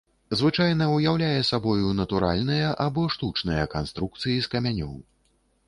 Звычайна ўяўляе сабою натуральныя або штучныя канструкцыі з камянёў.